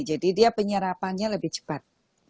jadi dia penyerapannya lebih cepat